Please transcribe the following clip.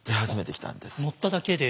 乗っただけで？